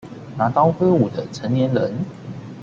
拿刀揮舞的成年人